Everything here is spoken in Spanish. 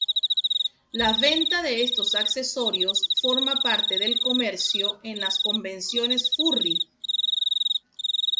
La venta de estos accesorios forma parte del comercio en las convenciones furry.